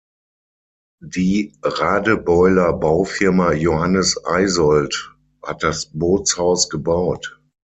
Die Radebeuler Baufirma Johannes Eisold hat das Bootshaus gebaut.